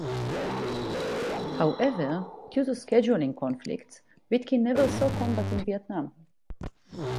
However, due to scheduling conflicts, Witkin never saw combat in Vietnam.